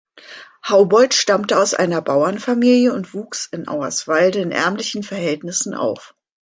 Haubold stammte aus einer Bauernfamilie und wuchs in Auerswalde in ärmlichen Verhältnissen auf.